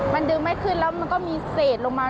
มันดึงไม่ขึ้นแล้วมันก็มีเศษลงมา